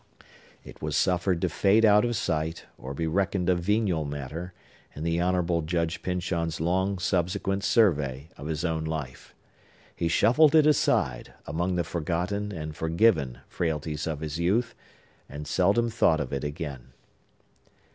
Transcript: It was suffered to fade out of sight or be reckoned a venial matter, in the Honorable Judge Pyncheon's long subsequent survey of his own life. He shuffled it aside, among the forgotten and forgiven frailties of his youth, and seldom thought of it again.